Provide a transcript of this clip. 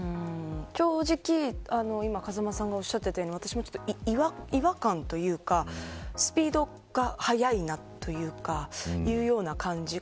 正直今、風間さんがおっしゃっていたように私も違和感というかスピードが速いなというような感じ。